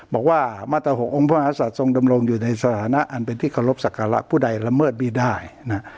บอกว่ามาตร๖องค์พระมหาศัตว์ทรงดำรงอยู่ในสถานะอันเป็นที่เคารพสักการะผู้ใดละเมิดไม่ได้นะ